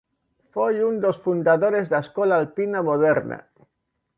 Foi un dos fundadores da escola alpina moderna.